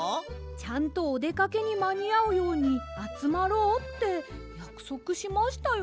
ちゃんとおでかけにまにあうようにあつまろうってやくそくしましたよ。